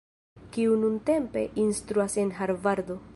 kiu nuntempe instruas en Harvardo.